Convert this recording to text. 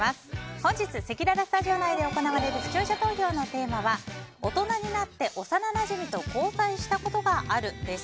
本日せきららスタジオ内で行われる視聴者投票のテーマは大人になって幼なじみと交際したことがあるです。